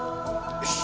よし。